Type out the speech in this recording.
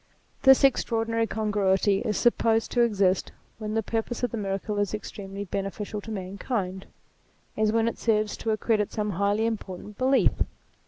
This extraordinary congruity is supposed to exist when the purpose of the miracle is extremely beneficial to mankind, as when it serves to accredit some highly important belief.